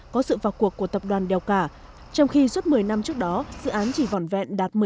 có sự vào cuộc của tập đoàn đèo cả trong khi suốt một mươi năm trước đó dự án chỉ vòn vẹn đạt một mươi